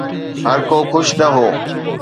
هرڪو خوش نه هو